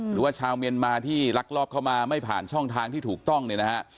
หรือว่าชาวเมียนมาที่ลักลอบเข้ามาไม่ผ่านช่องทางที่ถูกต้องเนี่ยนะฮะ